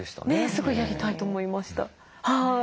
すぐやりたいと思いました。